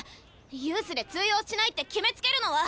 ユースで通用しないって決めつけるのは。